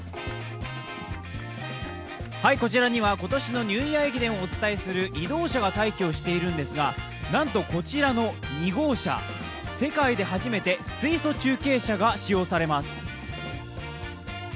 こちらには今年のニューイヤー駅伝をお伝えする移動車が待機をしているんですがなんとこちらの移動車、世界で初めて水素中継車が使用されます。